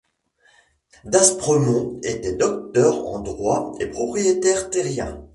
D'Aspremont était Docteur en droit et propriétaire terrien.